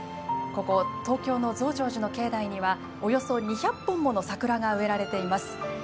ここ東京の増上寺の境内にはおよそ２００本もの桜が植えられています。